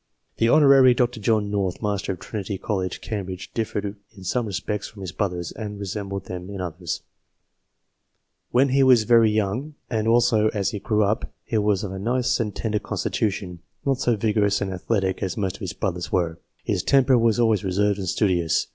The Hon. Dr. John North, Master of Trinity College, Cambridge, differed in some respects from his brothers, and resembled them in others :" When he was very young, and also as he grew up, he was of a nice and tender constitution not so vigorous and athletic as most of his brothers were." " His temper was always reserved and studious.